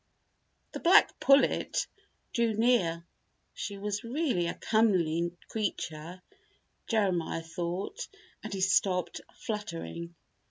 The black pullet drew near. She was really a comely creature, Jeremiah thought, and he stopped fluttering.